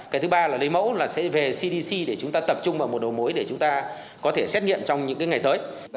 cái thứ ba là lấy mẫu là sẽ về cdc để chúng ta tập trung vào một đầu mối để chúng ta có thể xét nghiệm trong những ngày tới